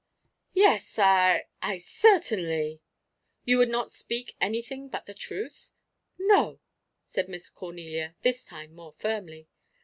"Yes, I I certainly." "You would not speak anything but the truth?" "No," said Miss Cornelia, this time more firmly.